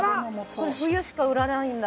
これ冬しか売らないんだ